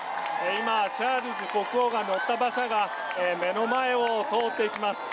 今、チャールズ国王が乗った馬車が目の前を通っていきます。